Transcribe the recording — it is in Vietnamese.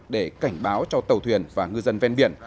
để cảnh báo cho tàu thuyền và ngư dân ven biển